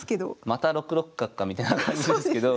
また６六角かみたいな感じですけど。